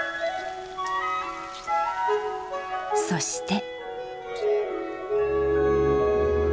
そして。